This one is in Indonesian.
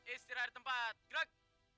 istirahat tempat gerak